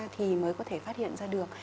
thì mới có thể phát hiện ra được